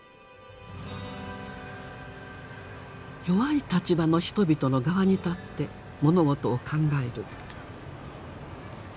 弱い立場の人々の側に立って物事を考える。